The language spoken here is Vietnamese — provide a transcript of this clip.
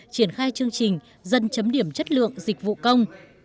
triển khai chương trình dân chấm điểm chất lượng dịch vụ công